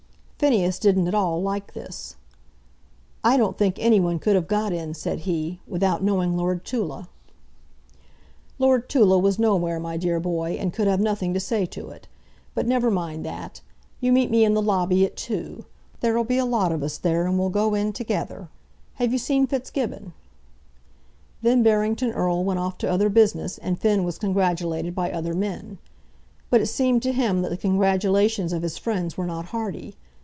Phineas didn't at all like this. "I don't think any one could have got in," said he, "without knowing Lord Tulla." "Lord Tulla was nowhere, my dear boy, and could have nothing to say to it. But never mind that. You meet me in the lobby at two. There'll be a lot of us there, and we'll go in together. Have you seen Fitzgibbon?" Then Barrington Erle went off to other business, and Finn was congratulated by other men. But it seemed to him that the congratulations of his friends were not hearty.